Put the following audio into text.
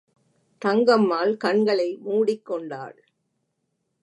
தங்கம்மாள் கண்களை மூடிக்கொண்டாள்.